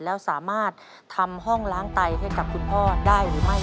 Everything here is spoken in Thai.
แล้วสามารถทำห้องล้างไตให้กับคุณพ่อได้หรือไม่